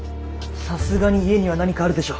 さすがに家には何かあるでしょ。